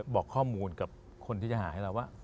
บอกข้อมูลกับคนที่จะหาให้เราว่า